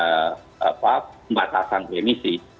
menghilangkan batasan remisi